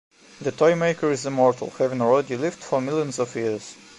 The Toymaker is immortal, having already lived for millions of years.